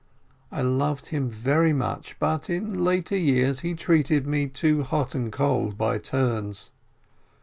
I loved him very much, but in later years he treated me to hot and cold by turns.